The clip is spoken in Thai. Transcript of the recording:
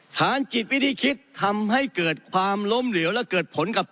ฐานจิตวิธีคิดทำให้เกิดความล้มเหลวและเกิดผลกับ